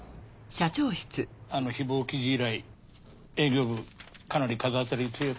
あの誹謗記事以来営業部かなり風当たり強いか？